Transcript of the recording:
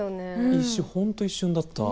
本当一瞬だった。